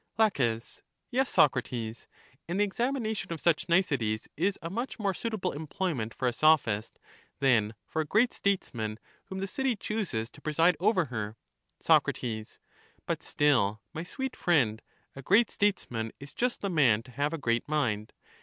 La, Yes, Socrates; and the examination of such niceties is a much more suitable employment for a Sophist than for a great statesman whom the city chooses to preside over her. Soc, But still, my sweet friend, a great statesman is just the man to have a great mind.